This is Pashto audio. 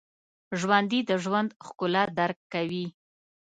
ژوندي د ژوند ښکلا درک کوي